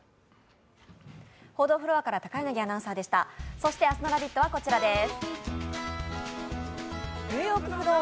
そして明日の「ラヴィット！」はこちらです。